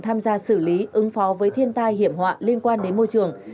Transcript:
tham gia xử lý ứng phó với thiên tai hiểm họa liên quan đến môi trường